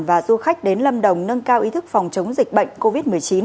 và du khách đến lâm đồng nâng cao ý thức phòng chống dịch bệnh covid một mươi chín